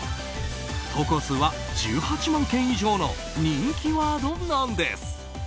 投稿数は１８万件以上の人気ワードなんです。